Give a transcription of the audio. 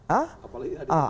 apalagi tidak ditahan